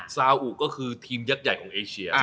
ซาอุก็คือทีมยักษ์ใหญ่ของเอเชีย